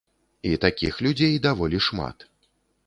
І такіх людзей даволі шмат.